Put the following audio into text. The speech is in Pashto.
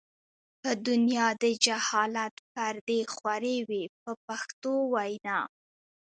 په دنیا د جهالت پردې خورې وې په پښتو وینا.